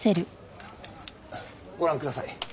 ご覧ください。